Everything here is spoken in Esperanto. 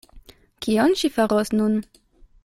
Kion ŝi faros nun?